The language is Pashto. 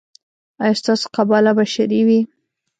ایا ستاسو قباله به شرعي وي؟